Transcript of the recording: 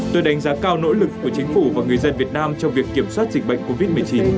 tôi đánh giá cao nỗ lực của chính phủ và người dân việt nam trong việc kiểm soát dịch bệnh covid một mươi chín